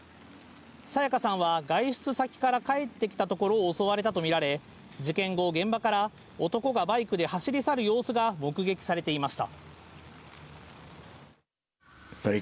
彩加さんは外出先から帰ってきたところを襲われたとみられ事件後、現場から男がバイクで走り去る様子が目撃されていました。